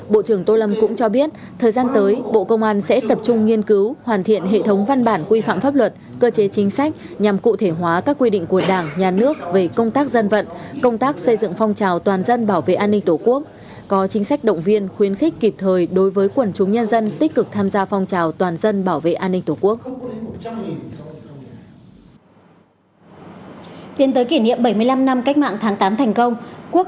bộ trưởng tô lâm cũng cho biết thời gian tới bộ công an sẽ tập trung nghiên cứu hoàn thiện hệ thống văn bản quy phạm pháp luật cơ chế chính sách nhằm cụ thể hóa các quy định của đảng nhà nước về công tác dân vận công tác xây dựng phong trào toàn dân bảo vệ an ninh tổ quốc có chính sách động viên khuyến khích kịp thời đối với quần chúng nhân dân tích cực tham gia phong trào toàn dân bảo vệ an ninh tổ quốc